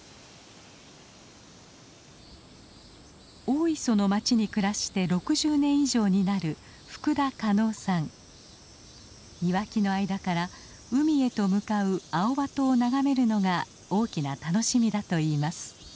大磯の町に暮らして６０年以上になる庭木の間から海へと向かうアオバトを眺めるのが大きな楽しみだといいます。